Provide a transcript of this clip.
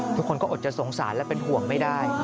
ทุกคนก็อดจะสงสารและเป็นห่วงไม่ได้